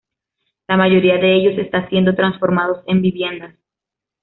La mayoría de ellos están siendo transformados en viviendas.